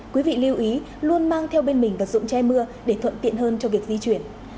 quý vị lưu ý luôn mang theo bên mình vật dụng che mưa để thuận tiện hơn cho việc di chuyển